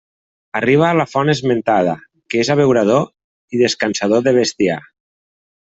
Arriba a la font esmentada, que és abeurador i descansador de bestiar.